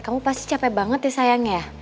kamu pasti capek banget ya sayangnya